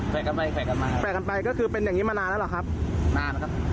กันไปแกะกันมาแปะกันไปก็คือเป็นอย่างนี้มานานแล้วเหรอครับนานครับ